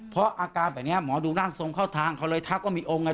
เพราะอาการแบบนี้หมอดูร่างทรงเข้าทางเขาเลยทักว่ามีองค์ไง